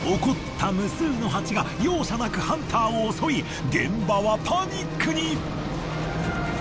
怒った無数のハチが容赦なくハンターを襲い現場はパニックに！